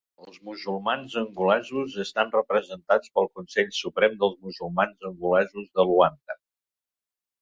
Els musulmans angolesos estan representats pel Consell Suprem dels Musulmans Angolesos de Luanda.